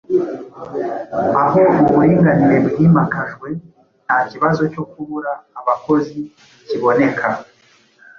Aho uburinganire bwimakajwe, nta kibazo cyo kubura abakozi kiboneka